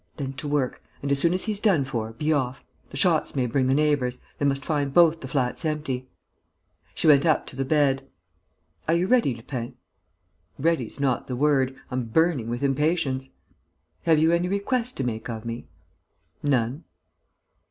"Then to work. And, as soon as he's done for, be off. The shots may bring the neighbours. They must find both the flats empty." She went up to the bed: "Are you ready, Lupin?" "Ready's not the word: I'm burning with impatience." "Have you any request to make of me?" "None."